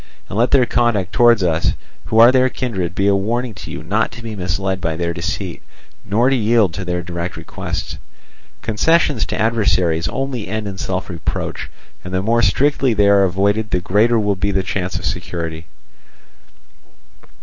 And let their conduct towards us who are their kindred be a warning to you not to be misled by their deceit, nor to yield to their direct requests; concessions to adversaries only end in self reproach, and the more strictly they are avoided the greater will be the chance of security.